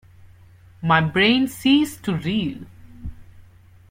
My brain ceased to reel.